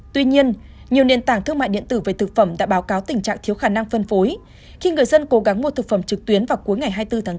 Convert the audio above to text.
tuy nhiên nhiều nền tảng thương mại điện tử về thực phẩm đã báo cáo tình trạng thiếu khả năng phân phối khi người dân cố gắng mua thực phẩm trực tuyến vào cuối ngày hai mươi bốn tháng bốn